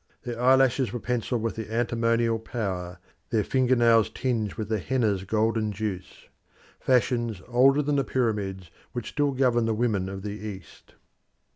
Their eyelashes were pencilled with the antimonial powder, their finger nails tinged with the henna's golden juice fashions older than the Pyramids which still govern the women of the East.